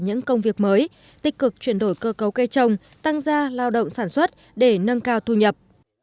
những công việc mới tích cực chuyển đổi cơ cấu cây trồng tăng gia lao động sản xuất để nâng cao thu nhập